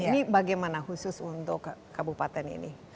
ini bagaimana khusus untuk kabupaten ini